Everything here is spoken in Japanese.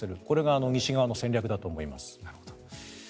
これが西側の戦略だと思います。